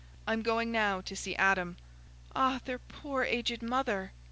I'm going now to see Adam." "Ah, their poor aged mother!"